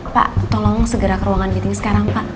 pak tolong segera ke ruangan meeting sekarang pak